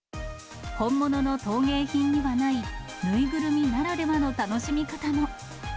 本物の陶芸品にはない、縫いぐるみならではの楽しみ方も。